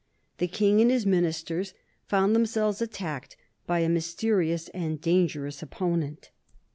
The King and his ministers found themselves attacked by a mysterious and dangerous opponent.